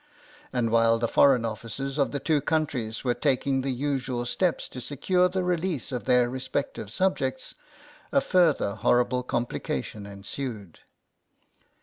And while the Foreign Offices of the two countries were taking the usual steps to secure the release of their respective subjects a further horrible complication ensued.